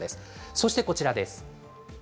そして、こちらです。